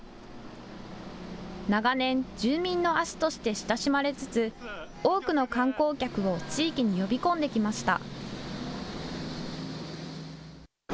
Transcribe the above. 長年、住民の足として親しまれつつ多くの観光客を地域に呼び込んできました。